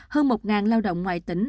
hơn một lao động ngoài tỉnh